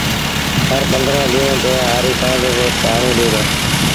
هرپنڌرهين ڏيݩهݩ تي هآري ڪڻڪ کي پآڻيٚ ڏي دو